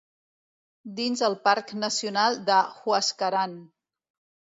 Dins el Parc Nacional del Huascarán.